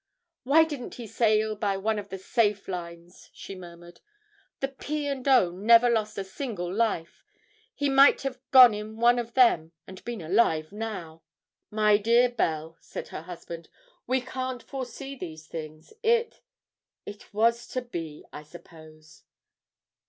'Why didn't he sail by one of the safe lines?' she murmured; 'the P. and O. never lost a single life; he might have gone in one of them and been alive now!' 'My dear Belle,' said her husband, 'we can't foresee these things, it it was to be, I suppose.'